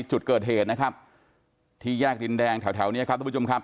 จุดเกิดเหตุนะครับที่แยกดินแดงแถวแถวเนี้ยครับทุกผู้ชมครับ